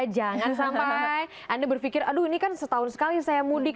jangan sampai anda berpikir aduh ini kan setahun sekali saya mudik